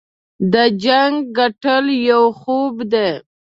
د جنګ ګټل یو خوب دی.